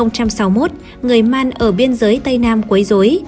năm một nghìn sáu mươi một người man ở biên giới tây nam quấy dối